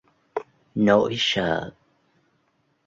nỗi sợ